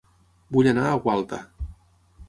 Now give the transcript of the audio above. Vull anar a Gualta